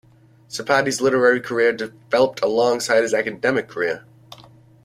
Sapardi's literary career developed alongside his academic career.